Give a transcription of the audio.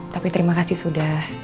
tapi terima kasih sudah